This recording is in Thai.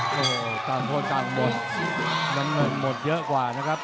โอ้โหต่างโทษต่างหมดน้ำเงินหมดเยอะกว่านะครับ